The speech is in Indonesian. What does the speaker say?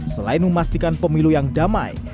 selain memastikan pemilu yang damai